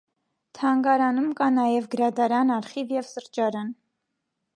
Թանգարանում կա նաև գրադարան, արխիվ և սրճարան։